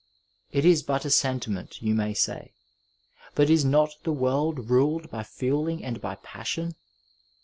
It is but a sentiment, you may say : but is not the world ruled by feeling and by passion